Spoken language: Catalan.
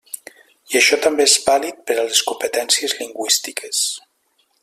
I això també és vàlid per a les competències lingüístiques.